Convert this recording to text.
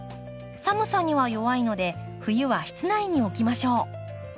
寒さには弱いので冬は室内に置きましょう。